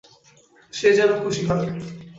সে যেন খুশি হয়।